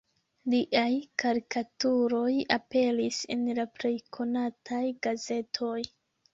Liaj karikaturoj aperis en la plej konataj gazetoj.